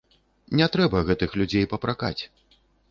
Не трэба гэтых людзей папракаць.